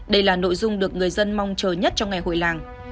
đây là nội dung được người dân mong chờ nhất trong ngày hội làng